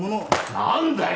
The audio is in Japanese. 何だよ！